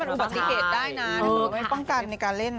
มันอุบัติเกตได้นะไม่ป้องกันในการเล่น